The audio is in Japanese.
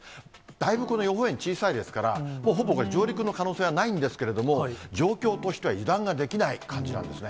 だいぶこの予報円、小さいですから、ほぼこれ、上陸の可能性はないんですけど、状況としては油断ができない感じなんですね。